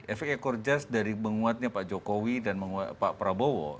efek ekor jas dari menguatnya pak jokowi dan pak prabowo